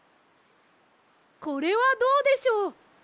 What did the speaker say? これはどうでしょう。